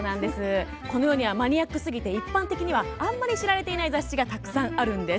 この世にはマニアックすぎて一般的にはあまり知られてない雑誌がたくさんあるんです。